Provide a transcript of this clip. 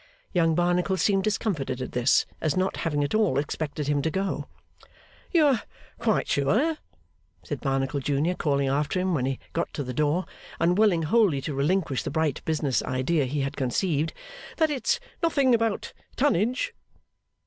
Young Barnacle seemed discomfited at this, as not having at all expected him to go. 'You are quite sure,' said Barnacle junior, calling after him when he got to the door, unwilling wholly to relinquish the bright business idea he had conceived; 'that it's nothing about Tonnage?